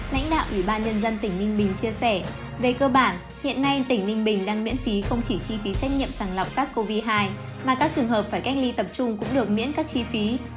lãnh đạo ủy ban nhân dân tỉnh ninh bình chia sẻ về cơ bản hiện nay tỉnh ninh bình đang miễn phí không chỉ chi phí xét nghiệm sẵn lọc sát covid một mươi chín mà các trường hợp phải cách ly tập trung cũng được miễn các chi phí